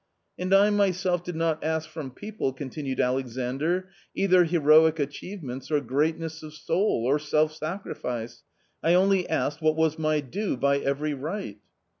" And I myself did not ask from people," continued Alexandr, " either heroic achievements, or greatness of soul, or self sacrifice. I only asked what was my due by every right."